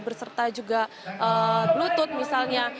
berserta juga bluetooth misalnya